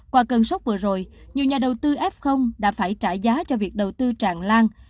qua cơn sốc vừa rồi nhiều nhà đầu tư f đã phải trả giá cho việc đầu tư tràn lan